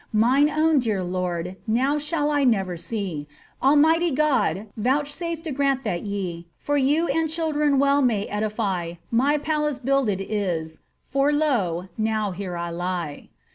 Mine own dear lord, now shall I never see; Almighty God, ronchsafe to grant that ye. For you and children well may edify ; My palace builded is, for lo, now here I lie